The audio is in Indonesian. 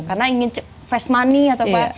karena ingin fast money atau apa